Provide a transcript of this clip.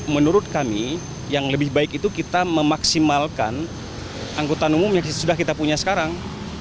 menurut kami yang lebih baik itu kita memaksimalkan angkutan umum yang sudah kita punya sekarang